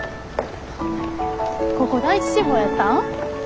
ここ第一志望やったん？